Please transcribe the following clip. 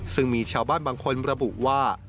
ซึ่งมีชาวบ้านบางคนระบุว่า